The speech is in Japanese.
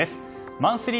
マンスリー